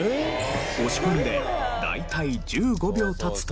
押し込んで大体１５秒経つと。